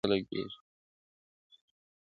لار دي را وښیه بیابانه پر ما ښه لګیږي !.